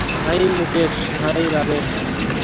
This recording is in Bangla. High Mukesh, - hi Rajesh.